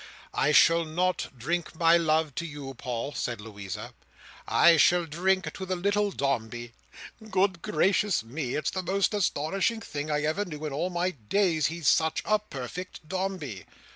"I shall not drink my love to you, Paul," said Louisa: "I shall drink to the little Dombey. Good gracious me!—it's the most astonishing thing I ever knew in all my days, he's such a perfect Dombey."